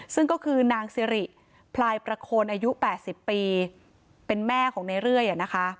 ซึ่งก็คือนางสิริพลายประโคนอายุ๘๐ปีเป็นแม่ของในเรื่อย